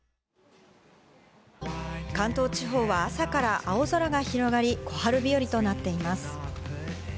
関東地方は朝から青空が広がり、小春日和となっています。